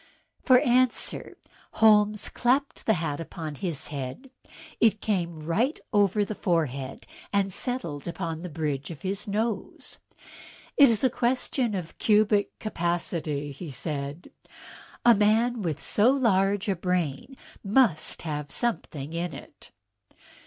For answer Holmes clapped the hat upon his head. It came right over the forehead and settled upon the bridge of his nose. "It is a question of cubic capacity," said he; "a man with so large a brain must have something in it."